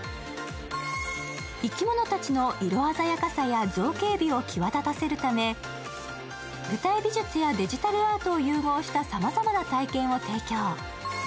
生き物たちの色鮮やかさや造形美を際立たせるため、舞台美術やデジタルアートを融合したさまざまな体験を提供。